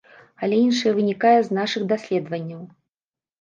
Але іншае вынікае з нашых даследаванняў.